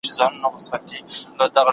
که ژوند سخت وي نو موږ باید پیاوړي واوسو.